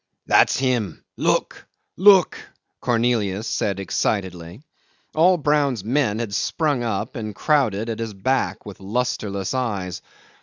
"That's him; look! look!" Cornelius said excitedly. All Brown's men had sprung up and crowded at his back with lustreless eyes.